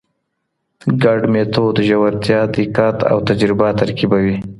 ګډ مېتود ژورتیا، دقت او تجربه ترکیبوي.